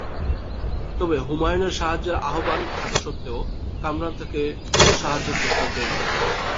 তবে হুমায়ুনের সাহায্যের আহবান থাকা সত্ত্বেও, কামরান তাকে কোনও সাহায্যের প্রস্তাব দেয়নি।